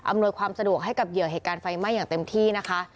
ความสะดวกให้กับเหยื่อเหตุการณ์ไฟไหม้อย่างเต็มที่นะคะ